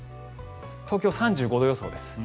東京、３５度予想です。